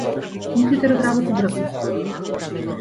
Компјутерот работи брзо.